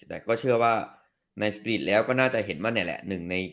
แต่ก็เชื่อว่าในสตรีทแล้วก็น่าจะเห็นว่านี่แหละ